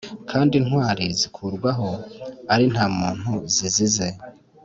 kandi intwari zikurwaho ari nta muntu zizize